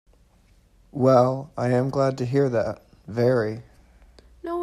Well, I am glad to hear that — very.